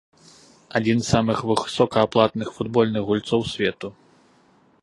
Адзін з самых высокааплатных футбольных гульцоў свету.